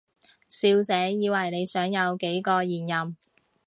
笑死，以為你想有幾個現任